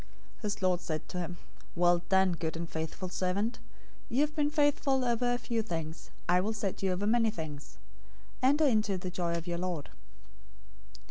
025:021 "His lord said to him, 'Well done, good and faithful servant. You have been faithful over a few things, I will set you over many things. Enter into the joy of your lord.'